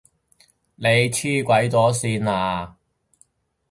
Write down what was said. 你黐鬼咗線呀？